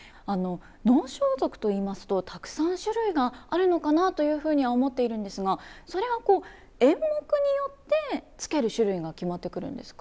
能装束といいますとたくさん種類があるのかなというふうには思っているんですがそれは演目によって着ける種類が決まってくるんですか？